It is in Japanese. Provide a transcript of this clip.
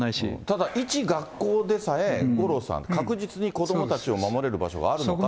ただ一学校でさえ、五郎さん、確実に子どもたちを守れる場所があるのかっていう。